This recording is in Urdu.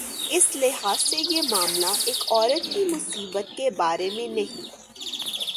اس لحاظ سے یہ معاملہ ایک عورت کی مصیبت کے بارے میں نہیں۔